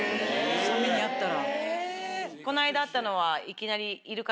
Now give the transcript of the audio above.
サメに会ったら。